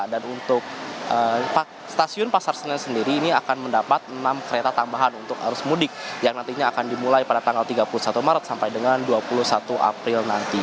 dan untuk stasiun pasar senen sendiri ini akan mendapat enam kereta tambahan untuk arus mudik yang nantinya akan dimulai pada tanggal tiga puluh satu maret sampai dengan dua puluh